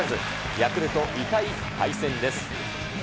ヤクルト、痛い敗戦です。